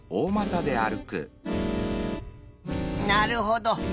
なるほど。